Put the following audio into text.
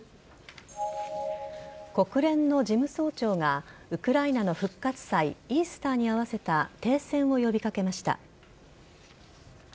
国連の事務総長がウクライナの復活祭イースターに合わせた停戦を呼び掛けました。